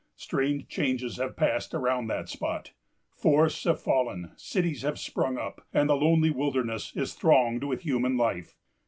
Strange changes have passed around that spot. Forests have fallen, cities have sprung up, and the lonely wilderness is thronged with human life.